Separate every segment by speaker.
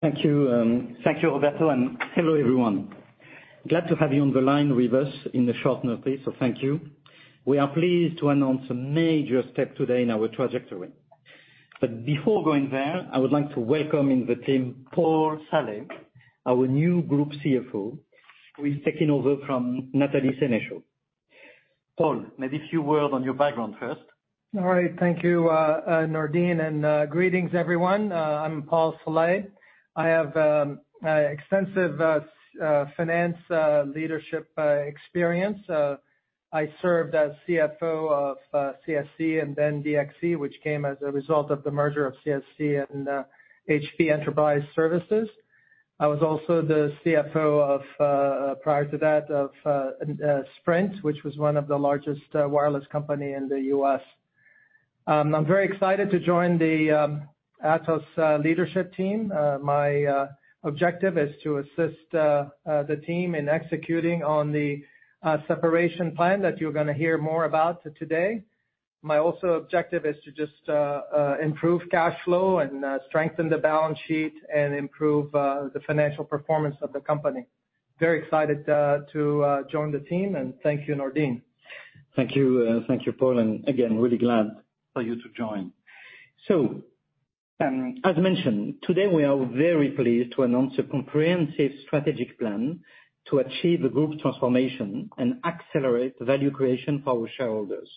Speaker 1: Thank you, thank you, Roberto, and hello, everyone. Glad to have you on the line with us on short notice, so thank you. We are pleased to announce a major step today in our trajectory. But before going there, I would like to welcome to the team, Paul Saleh, our new Group CFO, who is taking over from Nathalie Sénechaud. Paul, maybe a few words on your background first.
Speaker 2: All right. Thank you, Nourdine, and greetings, everyone. I'm Paul Saleh. I have extensive finance leadership experience. I served as CFO of CSC and then DXC, which came as a result of the merger of CSC and HP Enterprise Services. I was also the CFO of, prior to that, of Sprint, which was one of the largest wireless company in the U.S. I'm very excited to join the Atos leadership team. My objective is to assist the team in executing on the separation plan that you're gonna hear more about today. My also objective is to just improve cash flow and strengthen the balance sheet and improve the financial performance of the company. Very excited to join the team, and thank you, Nourdine.
Speaker 1: Thank you. Thank you, Paul, and again, really glad for you to join. So, as mentioned, today we are very pleased to announce a comprehensive strategic plan to achieve the group's transformation and accelerate value creation for our shareholders.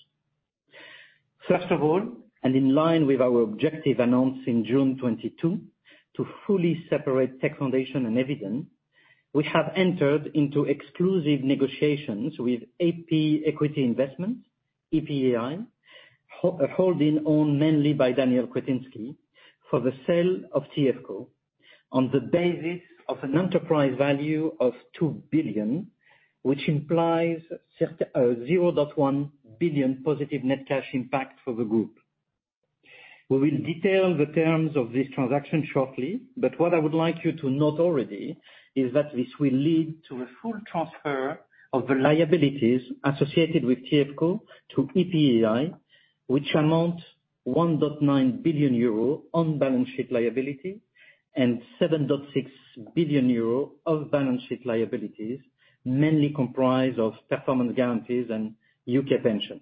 Speaker 1: First of all, and in line with our objective announced in June 2022, to fully separate Tech Foundations and Eviden, we have entered into exclusive negotiations with EP Equity Investment, EPEI, a holding owned mainly by Daniel Křetínský, for the sale of TFCo, on the basis of an enterprise value of 2 billion, which implies 0.1 billion positive net cash impact for the group. We will detail the terms of this transaction shortly, but what I would like you to note already is that this will lead to a full transfer of the liabilities associated with TFCo to EPEI, which amounts 1.9 billion euro on-balance sheet liability, and 7.6 billion euro off-balance sheet liabilities, mainly comprised of performance guarantees and U.K. pensions.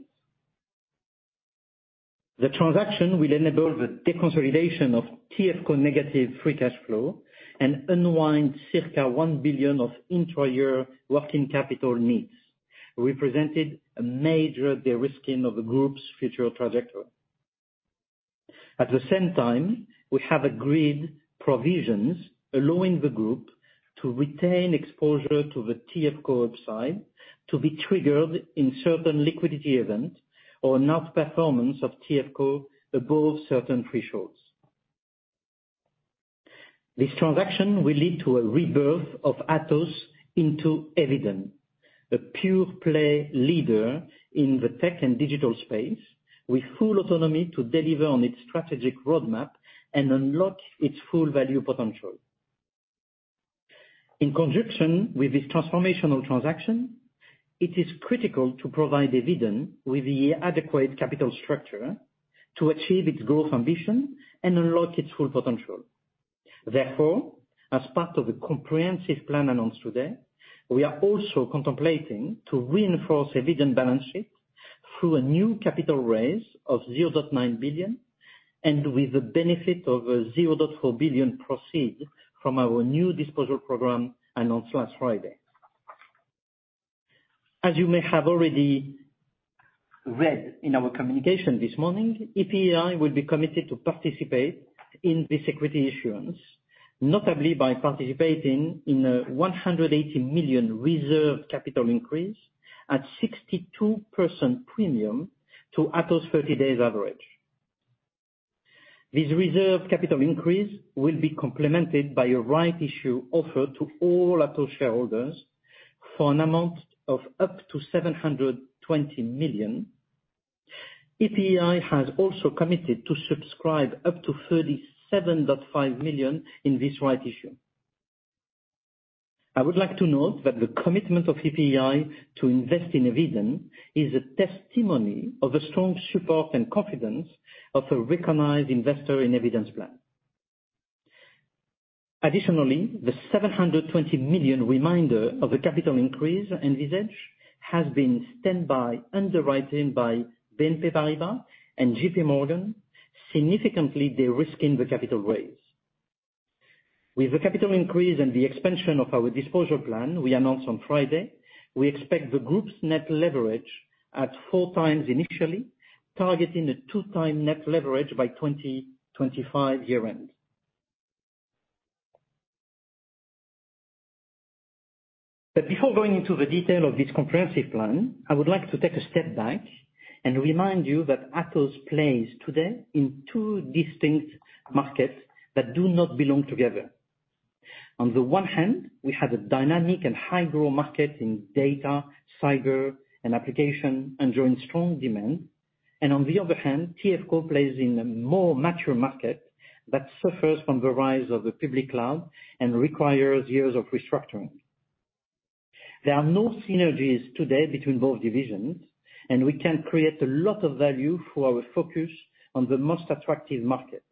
Speaker 1: The transaction will enable the deconsolidation of TFCo negative free cash flow, and unwind circa 1 billion of intra-year working capital needs, represented a major de-risking of the group's future trajectory. At the same time, we have agreed provisions allowing the group to retain exposure to the TFCo upside, to be triggered in certain liquidity events or not performance of TFCo above certain thresholds. This transaction will lead to a rebirth of Atos into Eviden, a pure-play leader in the tech and digital space, with full autonomy to deliver on its strategic roadmap and unlock its full value potential. In conjunction with this transformational transaction, it is critical to provide Eviden with the adequate capital structure to achieve its growth ambition and unlock its full potential. Therefore, as part of the comprehensive plan announced today, we are also contemplating to reinforce Eviden's balance sheet through a new capital raise of 0.9 billion, and with the benefit of a 0.4 billion proceeds from our new disposal program announced last Friday. As you may have already read in our communication this morning, EPEI will be committed to participate in this equity issuance, notably by participating in a 180 million reserved capital increase at 62% premium to Atos' 30-day average. This reserved capital increase will be complemented by a rights issue offered to all Atos shareholders for an amount of up to 720 million. EPEI has also committed to subscribe up to 37.5 million in this rights issue. I would like to note that the commitment of EPEI to invest in Eviden is a testimony of the strong support and confidence of a recognized investor in Eviden's plan. Additionally, the 720 million remainder of the capital increase envisaged has been standby underwritten by BNP Paribas and JPMorgan, significantly de-risking the capital raise. With the capital increase and the expansion of our disposal plan we announced on Friday, we expect the group's net leverage at four times initially, targeting a two-time net leverage by 2025 year end, but before going into the detail of this comprehensive plan, I would like to take a step back and remind you that Atos plays today in two distinct markets that do not belong together. On the one hand, we have a dynamic and high-growth market in data, cyber, and application, enjoying strong demand, and on the other hand, TFCo plays in a more mature market that suffers from the rise of the public cloud and requires years of restructuring. There are no synergies today between both divisions, and we can create a lot of value for our focus on the most attractive market.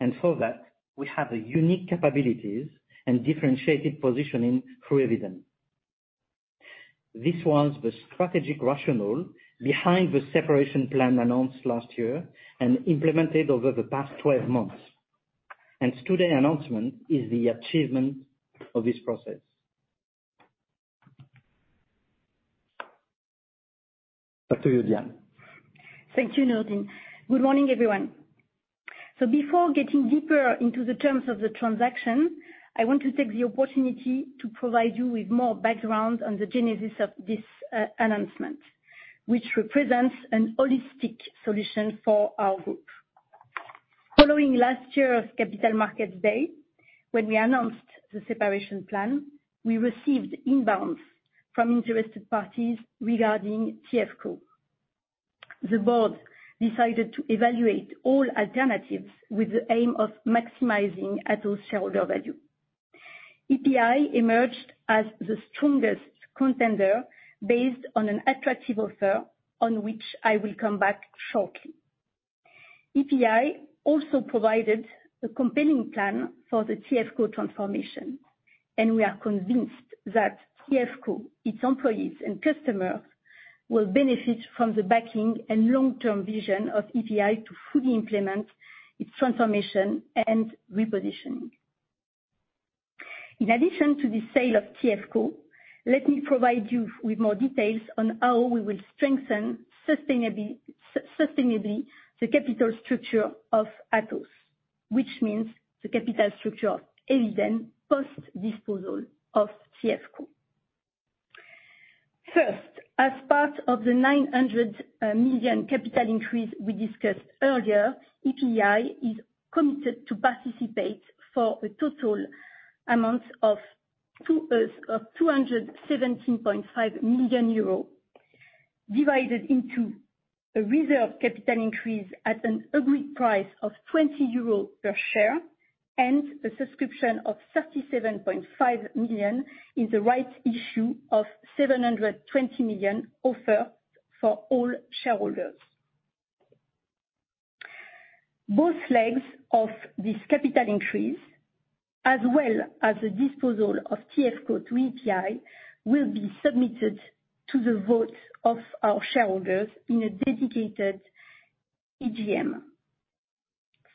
Speaker 1: And for that, we have the unique capabilities and differentiated positioning through Eviden. This was the strategic rationale behind the separation plan announced last year and implemented over the past twelve months, and today's announcement is the achievement of this process. Back to you, Diane.
Speaker 3: Thank you, Nourdine. Good morning, everyone. So before getting deeper into the terms of the transaction, I want to take the opportunity to provide you with more background on the genesis of this announcement, which represents a holistic solution for our group. Following last year's Capital Markets Day, when we announced the separation plan, we received inbounds from interested parties regarding TFCo. The board decided to evaluate all alternatives with the aim of maximizing Atos shareholder value. EPEI emerged as the strongest contender based on an attractive offer, on which I will come back shortly. EPEI also provided a compelling plan for the TFCo transformation, and we are convinced that TFCo, its employees and customers, will benefit from the backing and long-term vision of EPEI to fully implement its transformation and repositioning. In addition to the sale of TFCo, let me provide you with more details on how we will strengthen sustainably the capital structure of Atos, which means the capital structure of Eviden post-disposal of TFCo. First, as part of the 900 million capital increase we discussed earlier, EPEI is committed to participate for a total amount of two hundred and seventeen point five million euro, divided into a reserved capital increase at an agreed price of 20 euros per share and a subscription of 37.5 million in the rights issue of 720 million offered for all shareholders. Both legs of this capital increase, as well as the disposal of TFCo to EPEI, will be submitted to the votes of our shareholders in a dedicated EGM.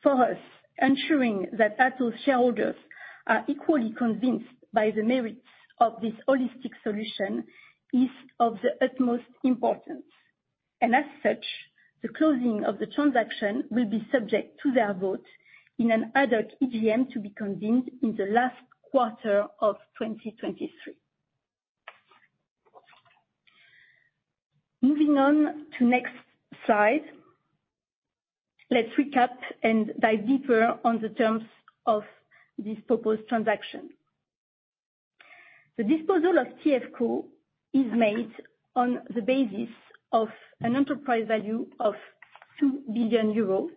Speaker 3: For us, ensuring that Atos shareholders are equally convinced by the merits of this holistic solution is of the utmost importance, and as such, the closing of the transaction will be subject to their vote in another EGM to be convened in the last quarter of twenty twenty-three. Moving on to next slide, let's recap and dive deeper on the terms of this proposed transaction. The disposal of TFCo is made on the basis of an enterprise value of 2 billion euros,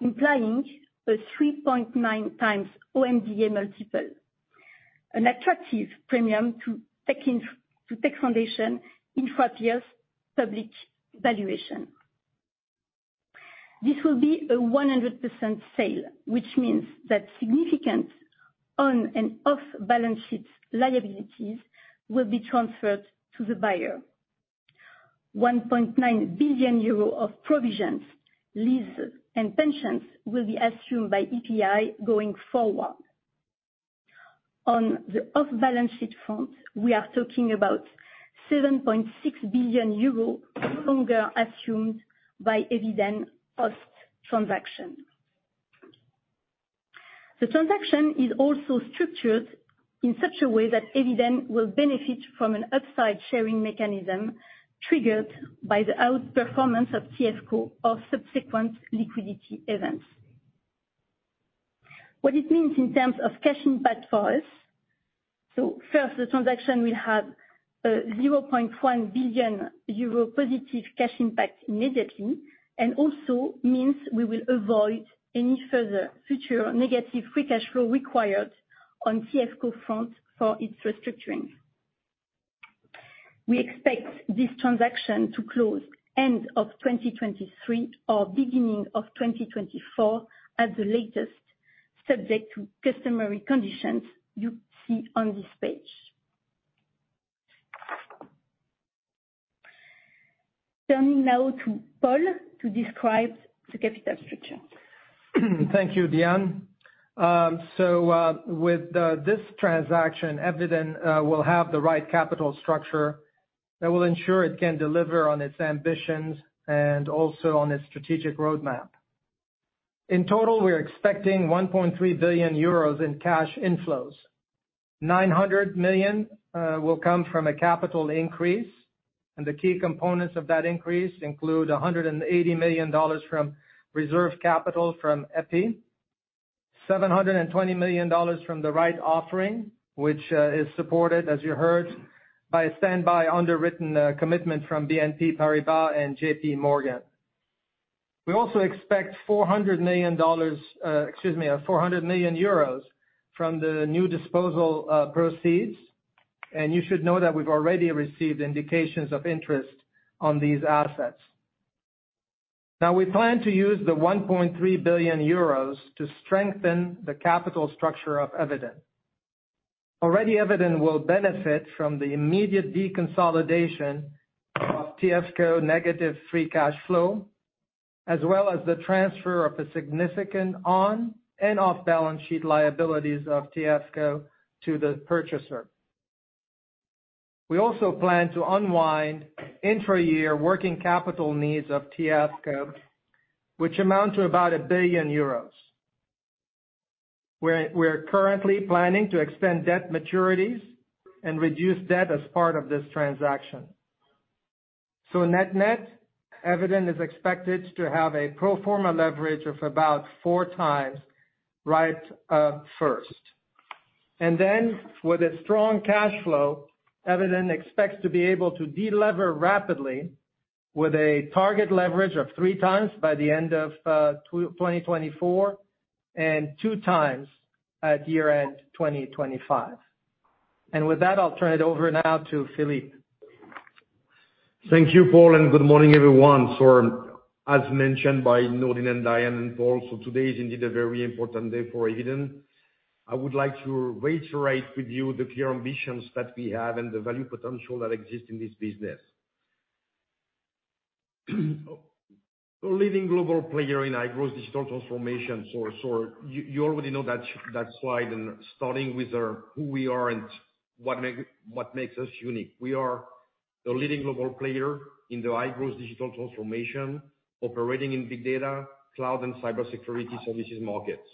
Speaker 3: implying a 3.9 times OMDA multiple, an attractive premium to Tech Foundations in four years public valuation. This will be a 100% sale, which means that significant on- and off-balance sheet liabilities will be transferred to the buyer. 1.9 billion euro of provisions, leases, and pensions will be assumed by EPEI going forward. On the off-balance sheet front, we are talking about 7.6 billion euros longer assumed by Eviden post-transaction. The transaction is also structured in such a way that Eviden will benefit from an upside sharing mechanism triggered by the outperformance of TFCo or subsequent liquidity events. What it means in terms of cash impact for us, so first, the transaction will have a 0.1 billion euro positive cash impact immediately, and also means we will avoid any further future negative free cash flow required on TFCo front for its restructuring. We expect this transaction to close end of 2023 or beginning of 2024 at the latest, subject to customary conditions you see on this page. Turning now to Paul to describe the capital structure.
Speaker 2: Thank you, Diane. So, with this transaction, Eviden will have the right capital structure that will ensure it can deliver on its ambitions and also on its strategic roadmap. In total, we're expecting 1.3 billion euros in cash inflows. 900 million will come from a capital increase, and the key components of that increase include $180 million from reserve capital from EPEI, $720 million from the rights offering, which is supported, as you heard, by a standby underwritten commitment from BNP Paribas and JPMorgan. We also expect $400 million, excuse me, 400 million euros from the new disposal proceeds, and you should know that we've already received indications of interest on these assets. Now, we plan to use the 1.3 billion euros to strengthen the capital structure of Eviden. Already, Eviden will benefit from the immediate deconsolidation of TFCo negative free cash flow, as well as the transfer of a significant on- and off-balance-sheet liabilities of TFCo to the purchaser. We also plan to unwind intra-year working capital needs of TFCo, which amount to about 1 billion euros. We're currently planning to extend debt maturities and reduce debt as part of this transaction. So net-net, Eviden is expected to have a pro forma leverage of about four times right, first. And then, with a strong cash flow, Eviden expects to be able to de-lever rapidly with a target leverage of three times by the end of 2024, and two times at year-end 2025. And with that, I'll turn it over now to Philippe.
Speaker 4: Thank you, Paul, and good morning, everyone. As mentioned by Nourdine and Diane and Paul, today is indeed a very important day for Eviden. I would like to reiterate with you the clear ambitions that we have and the value potential that exists in this business. A leading global player in high-growth digital transformation. So you already know that slide, and starting with who we are and what makes us unique. We are the leading global player in the high-growth digital transformation, operating in big data, cloud, and cybersecurity services markets.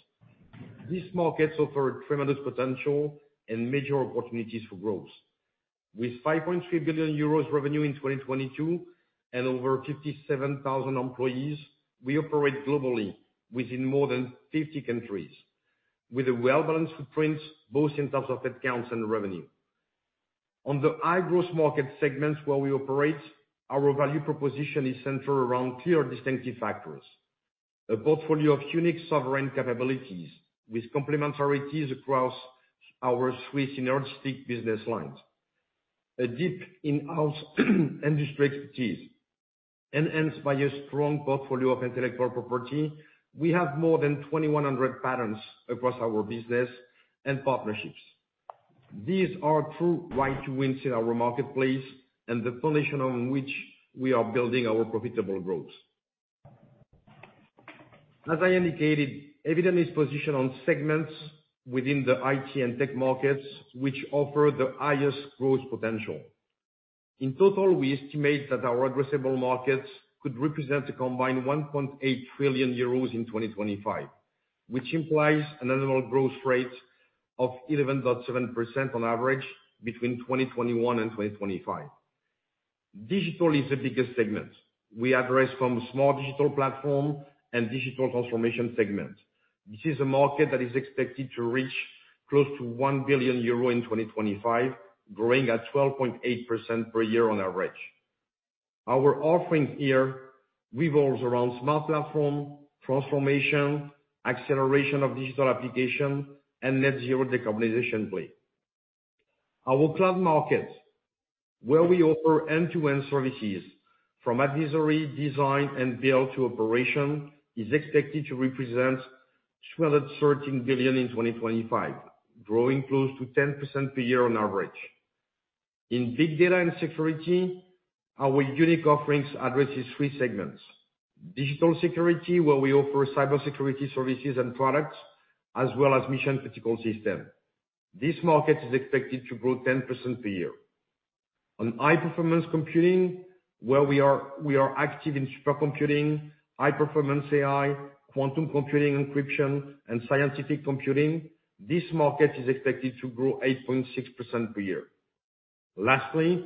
Speaker 4: These markets offer tremendous potential and major opportunities for growth. With 5.3 billion euros revenue in 2022, and over 57,000 employees, we operate globally within more than 50 countries, with a well-balanced footprint, both in terms of headcounts and revenue. On the high-growth market segments where we operate, our value proposition is centered around clear, distinctive factors: a portfolio of unique sovereign capabilities with complementarities across our three synergistic business lines, a deep in-house industry expertise, enhanced by a strong portfolio of intellectual property. We have more than 2,100 patents across our business and partnerships. These are true right to wins in our marketplace, and the foundation on which we are building our profitable growth. As I indicated, Eviden is positioned on segments within the IT and tech markets, which offer the highest growth potential. In total, we estimate that our addressable markets could represent a combined 1.8 trillion euros in 2025, which implies an annual growth rate of 11.7% on average between 2021 and 2025. Digital is the biggest segment. We address from smart digital platform and digital transformation segment. This is a market that is expected to reach close to 1 billion euro in 2025, growing at 12.8% per year on average. Our offering here revolves around smart platform, transformation, acceleration of digital application, and net zero decarbonization play. Our cloud markets, where we offer end-to-end services, from advisory, design, and build to operation, is expected to represent 12-13 billion EUR in 2025, growing close to 10% per year on average. In big data and security, our unique offerings addresses three segments: digital security, where we offer cybersecurity services and products, as well as mission-critical system. This market is expected to grow 10% per year. On high-performance computing, where we are active in supercomputing, high-performance AI, quantum computing encryption, and scientific computing, this market is expected to grow 8.6% per year. Lastly,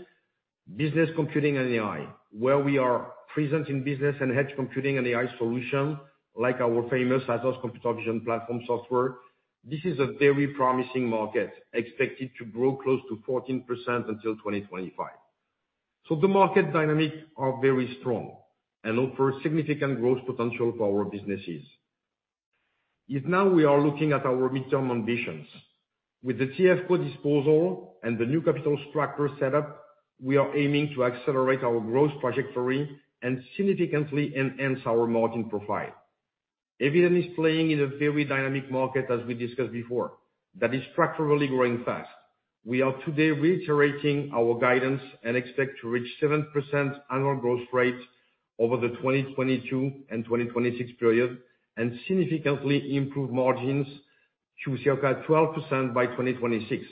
Speaker 4: business computing and AI, where we are present in business and edge computing and AI solution, like our famous Ipsotek computer vision platform software. This is a very promising market, expected to grow close to 14% until 2025. So the market dynamics are very strong and offer significant growth potential for our businesses. And now we are looking at our mid-term ambitions. With the TFCo disposal and the new capital structure set up, we are aiming to accelerate our growth trajectory and significantly enhance our margin profile. Eviden is playing in a very dynamic market, as we discussed before, that is structurally growing fast. We are today reiterating our guidance and expect to reach 7% annual growth rate over the 2022 and 2026 period, and significantly improve margins to circa 12% by 2026.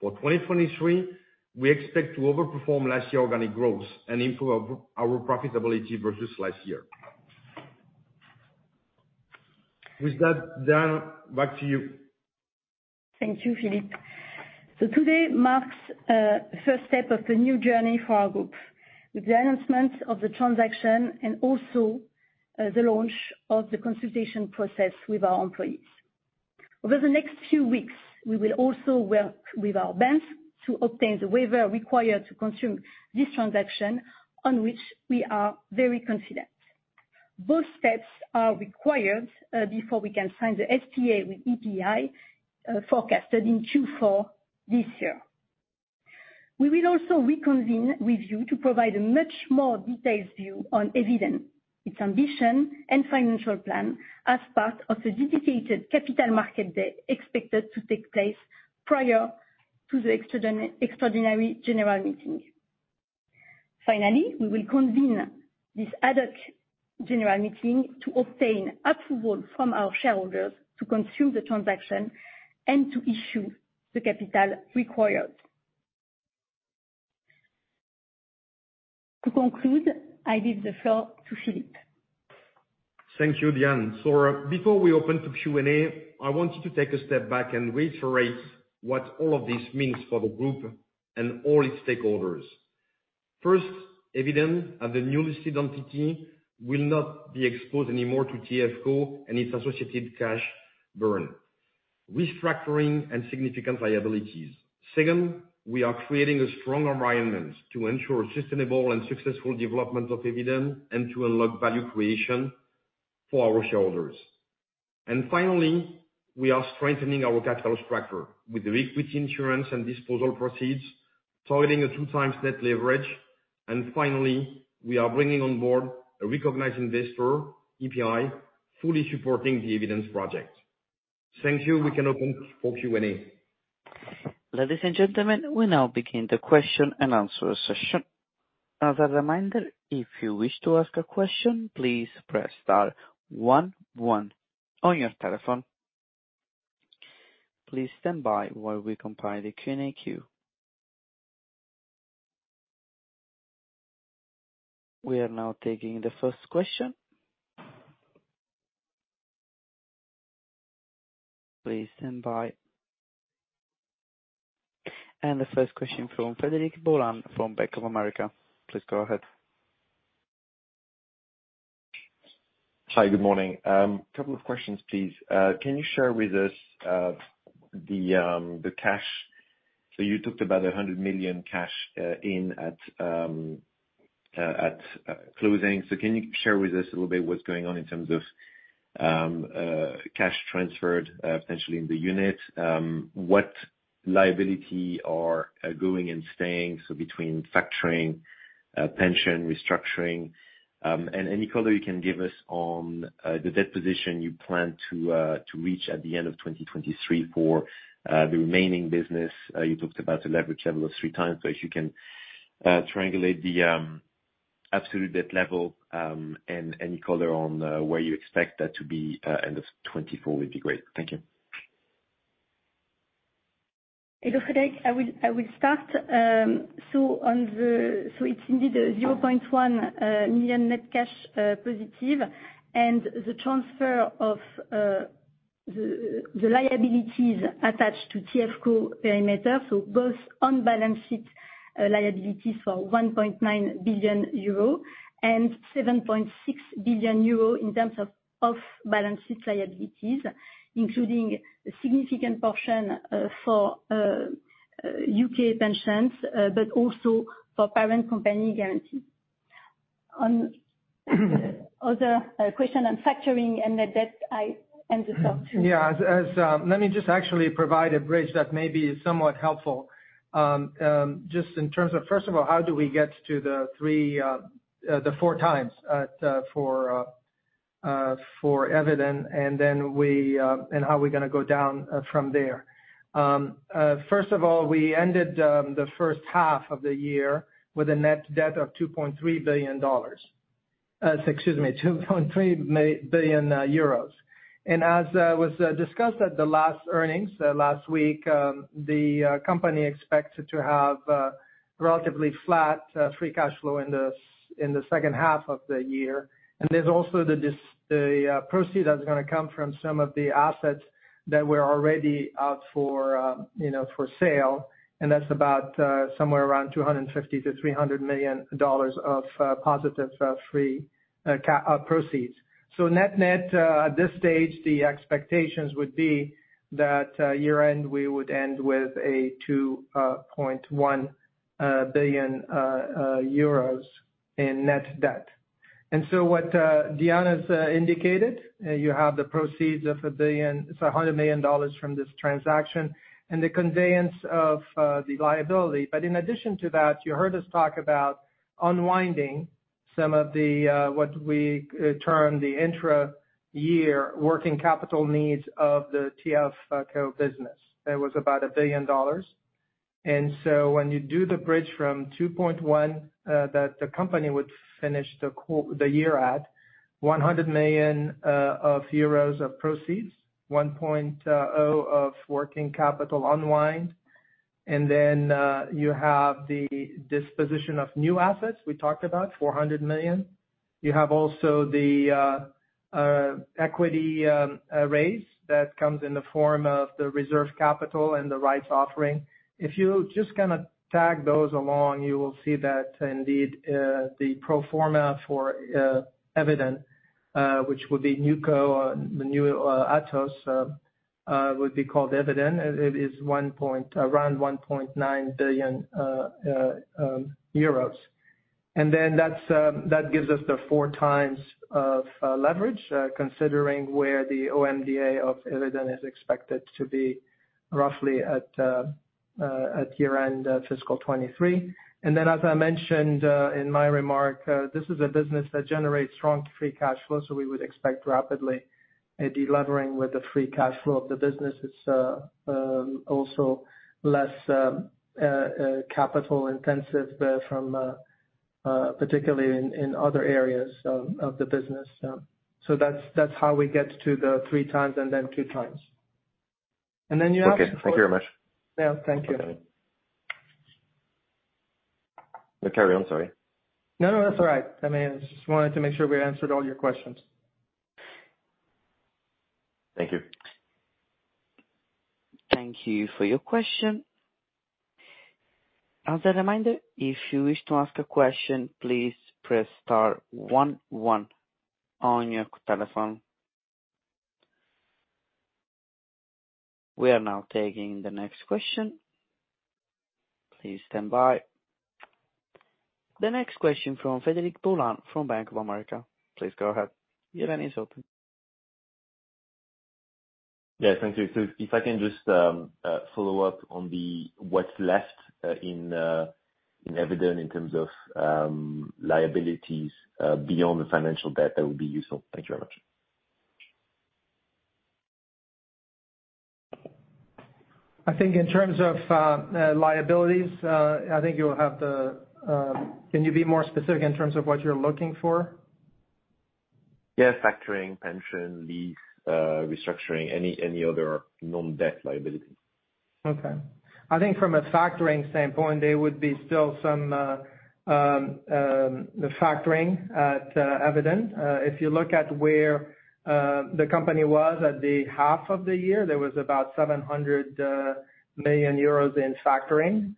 Speaker 4: For 2023, we expect to overperform last year organic growth and improve our profitability versus last year. With that, Diane, back to you.
Speaker 3: Thank you, Philippe. So today marks first step of the new journey for our group with the announcement of the transaction and also the launch of the consultation process with our employees. Over the next few weeks, we will also work with our banks to obtain the waiver required to consume this transaction, on which we are very confident. Both steps are required before we can sign the SPA with EPEI, forecasted in Q4 this year. We will also reconvene with you to provide a much more detailed view on Eviden, its ambition and financial plan, as part of a dedicated Capital Market Day, expected to take place prior to the extraordinary general meeting. Finally, we will convene this ad hoc general meeting to obtain approval from our shareholders to consume the transaction and to issue the capital required. To conclude, I give the floor to Philippe.
Speaker 4: Thank you, Diane. So before we open to Q&A, I want you to take a step back and reiterate what all of this means for the group and all its stakeholders. First, Eviden, as a newly listed entity, will not be exposed anymore to TFCo and its associated cash burn, restructuring and significant liabilities. Second, we are creating a strong environment to ensure sustainable and successful development of Eviden and to unlock value creation for our shareholders. And finally, we are strengthening our capital structure with the rights issue and disposal proceeds totaling a two times net leverage. And finally, we are bringing on board a recognized investor, EPEI, fully supporting the Eviden's project. Thank you. We can open for Q&A.
Speaker 5: Ladies and gentlemen, we now begin the question and answer session. As a reminder, if you wish to ask a question, please press star one one on your telephone. Please stand by while we compile the Q&A queue. We are now taking the first question. Please stand by. And the first question from Frederic Boulan from Bank of America. Please go ahead.
Speaker 6: Hi, good morning. Couple of questions, please. Can you share with us the cash? So you talked about 100 million net cash at closing. So can you share with us a little bit what's going on in terms of cash transferred potentially in the unit? What liability are going and staying, so between factoring, pension, restructuring, and any color you can give us on the debt position you plan to reach at the end of twenty twenty-three for the remaining business? You talked about a leverage level of three times. So if you can triangulate the absolute debt level, and any color on where you expect that to be end of 2024 would be great. Thank you.
Speaker 3: Hello, Frederic. I will start. So it's indeed a 0.1 million net cash positive, and the transfer of the liabilities attached to TFCo perimeter, so both on balance sheet liabilities for 1.9 billion euro and 7.6 billion euro in terms of off-balance sheet liabilities, including a significant portion for U.K. pensions, but also for parent company guarantee. On other question on factoring and the debt, I hand this off to-
Speaker 2: Yeah, as let me just actually provide a bridge that may be somewhat helpful. Just in terms of, first of all, how do we get to the three, the four times for Eviden, and then we and how are we gonna go down from there? First of all, we ended the first half of the year with a net debt of $2.3 billion. Excuse me, 2.3 billion euros. And as was discussed at the last earnings last week, the company expects to have relatively flat free cash flow in the second half of the year. And there's also the proceeds that's gonna come from some of the assets that were already out for, you know, for sale, and that's about somewhere around $250-$300 million of positive free cash proceeds. So net-net, at this stage, the expectations would be that year-end, we would end with €2.1 billion in net debt. And so what Diane's indicated, you have the proceeds of €1 billion, it's $100 million from this transaction, and the conveyance of the liability. But in addition to that, you heard us talk about unwinding some of the what we term the intra-year working capital needs of the TFCo business. That was about $1 billion. And so when you do the bridge from 2.1, that the company would finish the year at 100 million euros of proceeds, 1.0 of working capital unwind, and then you have the disposition of new assets we talked about, 400 million. You have also the equity raise that comes in the form of the reserved capital and the rights offering. If you just kinda tag those along, you will see that indeed the pro forma for Eviden, which would be NewCo, the new Atos, would be called Eviden, it is around 1.9 billion euros. And then that gives us the four times of leverage, considering where the OMDA of Eviden is expected to be roughly at year-end, fiscal 2023. And then, as I mentioned in my remark, this is a business that generates strong free cash flow, so we would expect rapidly a de-levering with the free cash flow of the business. It's also less capital intensive, particularly in other areas of the business. So that's how we get to the three times and then two times. And then you asked-
Speaker 6: Okay, thank you very much.
Speaker 2: Yeah, thank you.
Speaker 6: Okay. No, carry on, sorry.
Speaker 2: No, no, that's all right. I mean, I just wanted to make sure we answered all your questions.
Speaker 6: Thank you.
Speaker 5: Thank you for your question. As a reminder, if you wish to ask a question, please press star one one on your telephone. We are now taking the next question. Please stand by. The next question from Frederic Boulan from Bank of America. Please go ahead. The line is open.
Speaker 6: Yeah, thank you. So if I can just follow up on what's left in Eviden in terms of liabilities beyond the financial debt, that would be useful. Thank you very much.
Speaker 2: I think in terms of liabilities, I think you'll have to. Can you be more specific in terms of what you're looking for?
Speaker 6: Yeah, factoring, pension, lease, restructuring, any other non-debt liabilities.
Speaker 2: Okay. I think from a factoring standpoint, there would be still some factoring at Eviden. If you look at where the company was at the half of the year, there was about 700 million euros in factoring.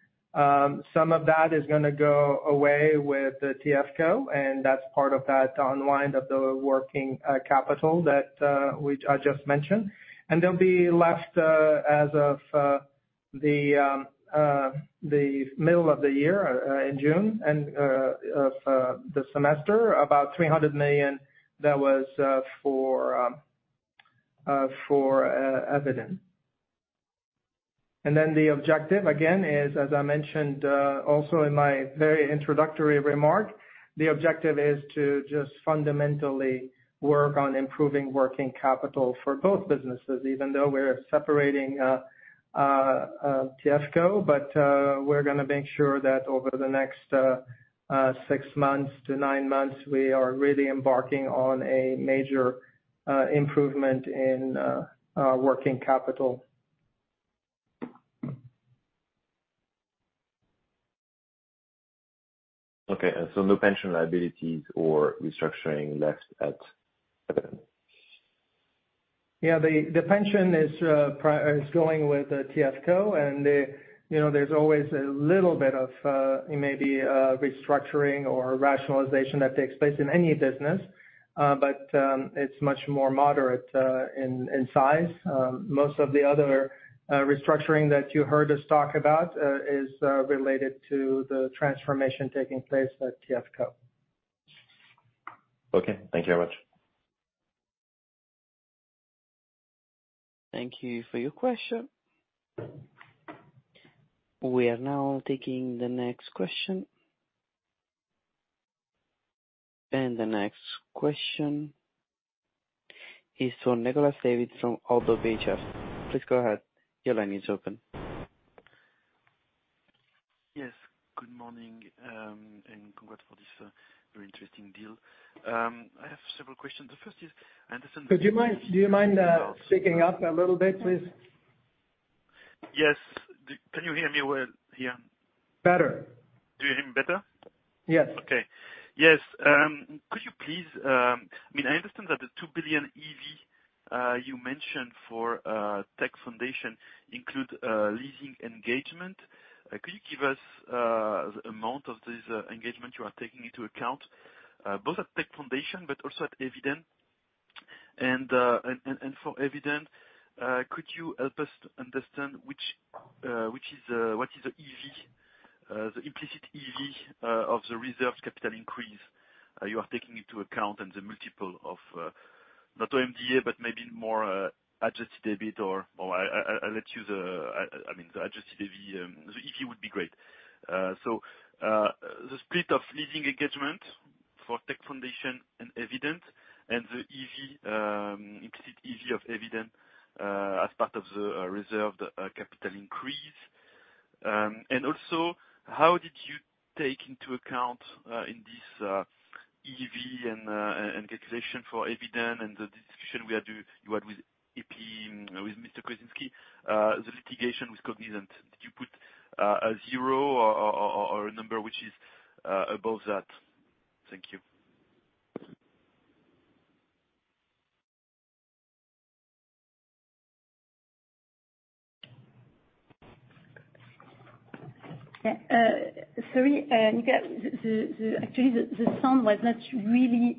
Speaker 2: Some of that is gonna go away with the TFCo, and that's part of that unwind of the working capital that which I just mentioned. And there'll be left as of the middle of the year in June and of the semester, about 300 million that was for Eviden. And then the objective, again, is, as I mentioned, also in my very introductory remark, the objective is to just fundamentally work on improving working capital for both businesses, even though we're separating TFCo. We're gonna make sure that over the next six months to nine months, we are really embarking on a major improvement in working capital.
Speaker 6: Okay, and so no pension liabilities or restructuring left at Eviden?
Speaker 2: Yeah, the pension is primarily going with TFCo. And you know, there's always a little bit of maybe restructuring or rationalization that takes place in any business, but it's much more moderate in size. Most of the other restructuring that you heard us talk about is related to the transformation taking place at TFCo.
Speaker 6: Okay, thank you very much.
Speaker 5: Thank you for your question. We are now taking the next question, and the next question is from Nicolas David from Oddo BHF. Please go ahead. Your line is open.
Speaker 7: Yes. Good morning, and congrats for this very interesting deal. I have several questions. The first is, I understand-
Speaker 2: Do you mind speaking up a little bit, please?
Speaker 7: Yes. Can you hear me well here?
Speaker 2: Better.
Speaker 7: Do you hear me better?
Speaker 2: Yes.
Speaker 7: Okay. Yes, could you please? I mean, I understand that the 2 billion EV you mentioned for Tech Foundations include leasing engagement. Could you give us the amount of this engagement you are taking into account, both at Tech Foundations but also at Eviden? And for Eviden, could you help us to understand what is the EV, the implicit EV of the reserved capital increase you are taking into account, and the multiple of not OMDA, but maybe more adjusted EBIT or I'll let you I mean, the adjusted EV, the EV would be great. So, the split of leasing engagement for Tech Foundations and Eviden, and the EV, implicit EV of Eviden, as part of the reserved capital increase, and also how did you take into account in this EV and calculation for Eviden and the discussion you had with EP, with Mr. Křetínský, the litigation with Cognizant? Did you put a zero or a number which is above that? Thank you. ...
Speaker 8: Yeah, sorry. Actually, the sound was not really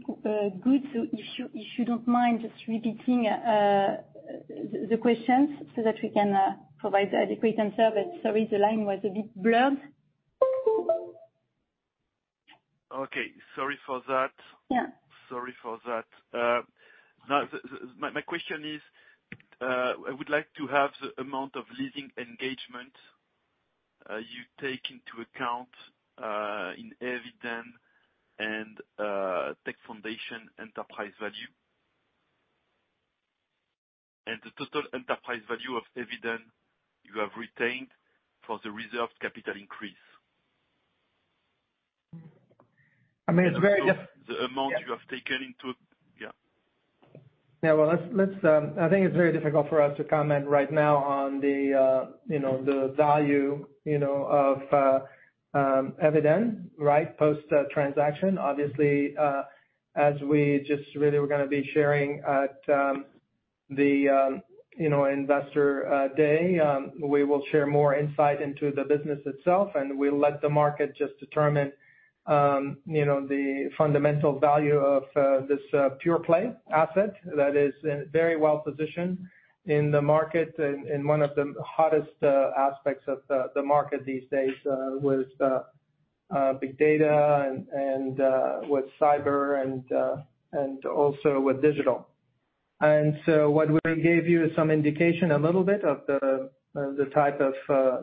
Speaker 8: good, so if you don't mind just repeating the questions so that we can provide the adequate answer, but sorry, the line was a bit blurred.
Speaker 7: Okay, sorry for that.
Speaker 8: Yeah.
Speaker 7: Sorry for that. Now, my question is, I would like to have the amount of leasing engagement you take into account in Eviden and Tech Foundations enterprise value. And the total enterprise value of Eviden you have retained for the reserved capital increase.
Speaker 2: I mean, it's very diff-
Speaker 7: The amount you have taken into... Yeah.
Speaker 2: Yeah, well, let's, I think it's very difficult for us to comment right now on the, you know, the value, you know, of, Eviden, right? Post, transaction. Obviously, as we just really we're gonna be sharing at, the, you know, investor, day, we will share more insight into the business itself, and we'll let the market just determine, you know, the fundamental value of, this, pure play asset that is, very well positioned in the market, and in one of the hottest, aspects of the market these days, with, big data and, with cyber and, also with digital. And so what we gave you is some indication, a little bit, of the type of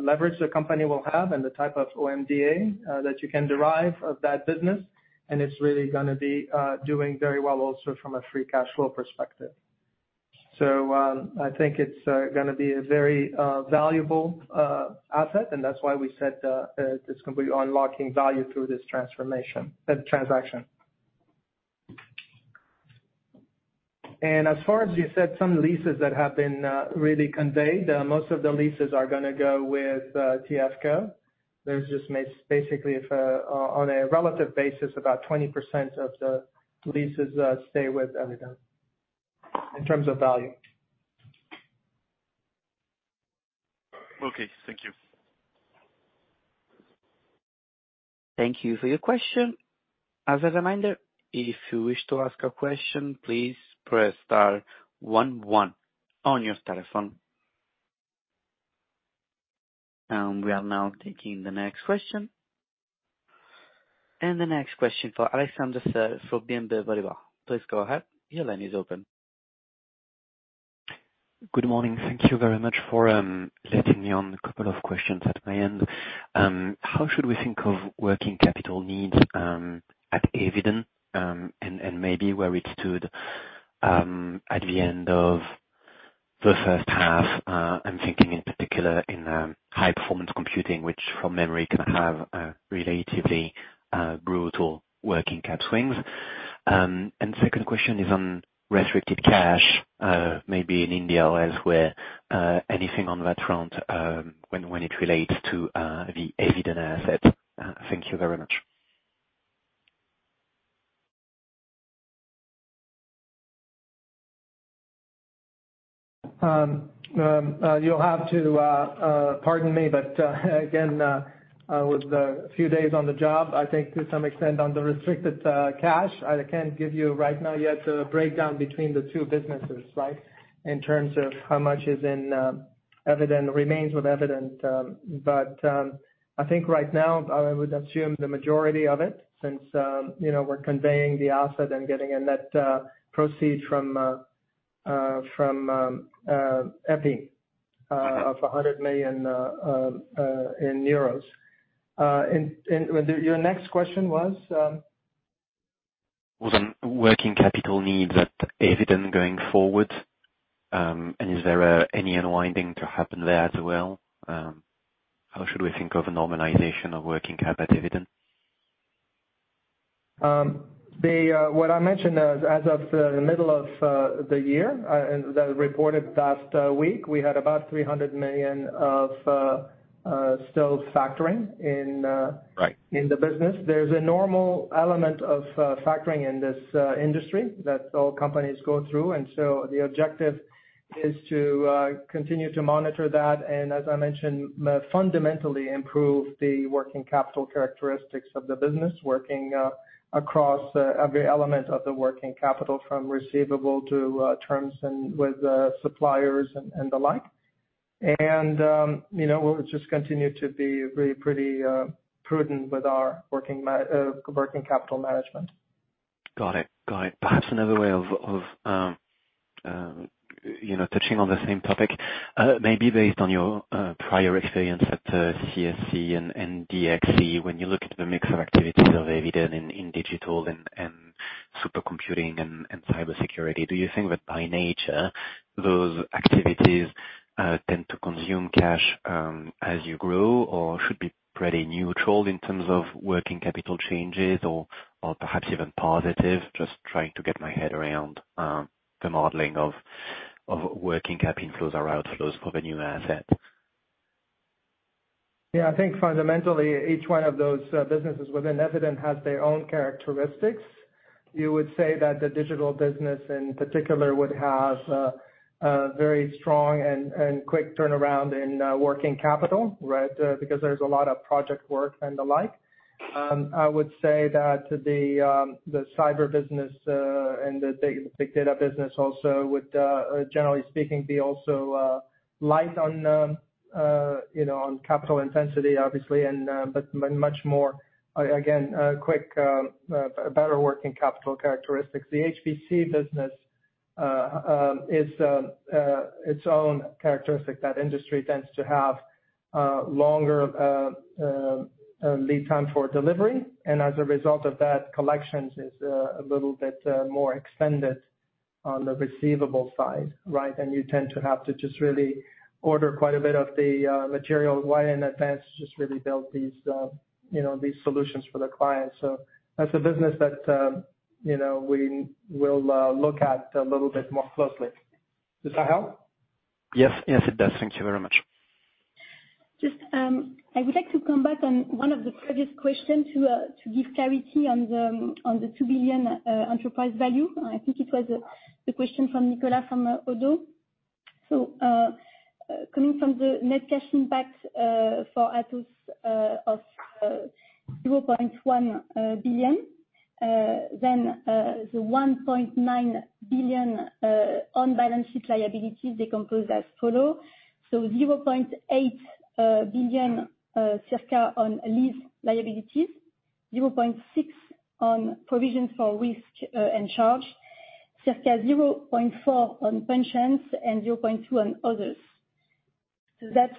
Speaker 2: leverage the company will have and the type of OMDA that you can derive of that business, and it's really gonna be doing very well also from a free cash flow perspective. So I think it's gonna be a very valuable asset, and that's why we said it's going to be unlocking value through this transformation transaction. And as far as you said, some leases that have been really conveyed, most of the leases are gonna go with TFCo. There's just basically, on a relative basis, about 20% of the leases stay with Eviden, in terms of value.
Speaker 7: Okay, thank you.
Speaker 5: Thank you for your question. As a reminder, if you wish to ask a question, please press star one, one on your telephone. We are now taking the next question, and the next question for Alexandre Serre from BNP Paribas. Please go ahead. Your line is open.
Speaker 9: Good morning. Thank you very much for letting me on. A couple of questions at my end. How should we think of working capital needs at Eviden, and maybe where it stood at the end of the first half? I'm thinking in particular in high performance computing, which from memory, can have relatively brutal working cap swings. And second question is on restricted cash, maybe in India or elsewhere, anything on that front, when it relates to the Eviden asset? Thank you very much.
Speaker 2: You'll have to pardon me, but again, with a few days on the job, I think to some extent, on the restricted cash, I can't give you right now yet a breakdown between the two businesses, right? In terms of how much is in Eviden, remains with Eviden. But I think right now, I would assume the majority of it, since you know, we're conveying the asset and getting a net proceeds from EPEI
Speaker 9: Okay...
Speaker 2: of 100 million euros. And your next question was?
Speaker 9: Was on working capital needs at Eviden going forward, and is there any unwinding to happen there as well? How should we think of a normalization of working capital at Eviden?
Speaker 2: The what I mentioned as of the middle of the year and that reported past week, we had about 300 million of still factoring in.
Speaker 9: Right...
Speaker 2: in the business. There's a normal element of factoring in this industry that all companies go through. And so the objective is to continue to monitor that, and as I mentioned, fundamentally improve the working capital characteristics of the business, working across every element of the working capital, from receivable to terms and with suppliers and the like. And you know, we'll just continue to be very pretty prudent with our working capital management.
Speaker 9: Got it. Got it. Perhaps another way of you know touching on the same topic, maybe based on your prior experience at CSC and DXC, when you look at the mix of activities of Eviden in digital and supercomputing and cybersecurity, do you think that by nature those activities tend to consume cash as you grow, or should be pretty neutral in terms of working capital changes or perhaps even positive? Just trying to get my head around the modeling of working cap inflows or outflows for the new asset.
Speaker 2: Yeah, I think fundamentally, each one of those businesses within Eviden has their own characteristics. You would say that the digital business in particular would have a very strong and quick turnaround in working capital, right? Because there's a lot of project work and the like. I would say that the cyber business and the big data business also would generally speaking be also light on you know on capital intensity, obviously, and but much more again a quick better working capital characteristics. The HPC business is its own characteristic. That industry tends to have longer lead time for delivery, and as a result of that, collections is a little bit more extended on the receivable side, right? And you tend to have to just really order quite a bit of the material way in advance, just really build these, you know, these solutions for the clients. So that's a business that, you know, we will look at a little bit more closely. Does that help?
Speaker 9: Yes. Yes, it does. Thank you very much.
Speaker 3: Just, I would like to come back on one of the previous questions to, to give clarity on the, on the 2.0 billion enterprise value. I think it was the question from Nicolas, from Oddo. Coming from the net cash impact, for Atos, of zero point one billion, then the 1.9 billion on balance sheet liabilities decompose as follow. Zero point eight billion circa on lease liabilities, zero point six on provisions for risk and charge, circa zero point four on pensions, and zero point two on others. That's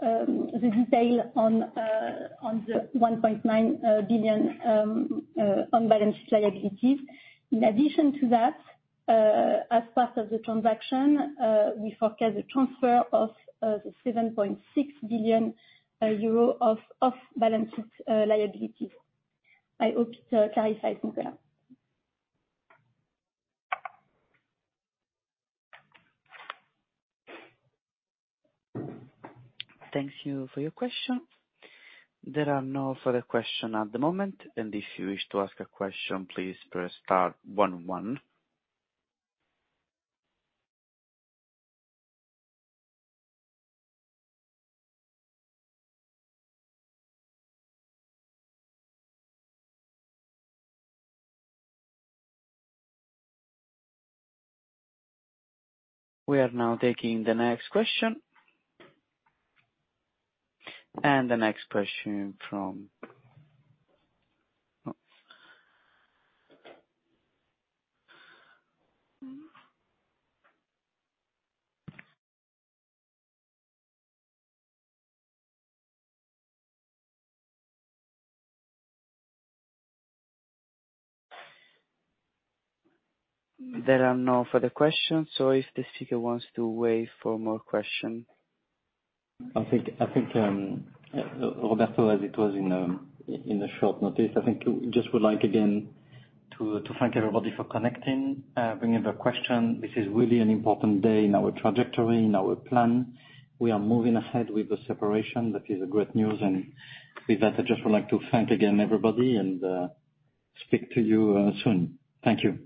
Speaker 3: the detail on the 1.9 billion on balance sheet liabilities. In addition to that, as part of the transaction, we forecast the transfer of the 7.6 billion euro of balance sheet liabilities. I hope it clarifies, Nicola.
Speaker 5: Thank you for your question. There are no further questions at the moment, and if you wish to ask a question, please press star one, one. We are now taking the next question. And the next question from ... There are no further questions, so if the speaker wants to wait for more questions.
Speaker 1: I think, Roberto, as it was in the short notice, I think we just would like, again, to thank everybody for connecting, bringing their question. This is really an important day in our trajectory, in our plan. We are moving ahead with the separation. That is a great news, and with that, I just would like to thank again, everybody, and speak to you soon. Thank you.